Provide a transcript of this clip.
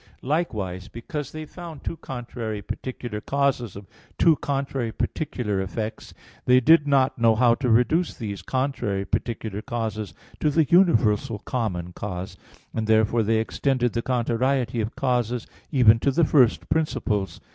Likewise, because they found two contrary particular causes of two contrary particular effects, they did not know how to reduce these contrary particular causes to the universal common cause; and therefore they extended the contrariety of causes even to the first principles.